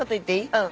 うん。